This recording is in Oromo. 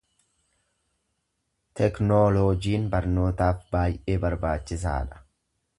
Teknooloojiin barnootaaf baay'ee barbaachisaadha.